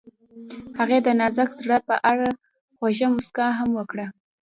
هغې د نازک زړه په اړه خوږه موسکا هم وکړه.